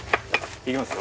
いきますよ。